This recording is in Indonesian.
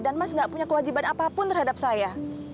dan mas gak punya kewajiban apapun terhadap saya